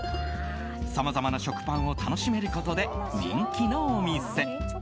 さまざまな食パンを楽しめることで人気のお店。